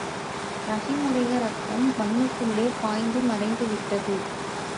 ரஹீமுடைய் ரத்தம் மண்ணுக்குள்ளே பாய்ந்து மறைந்துவிட்டது.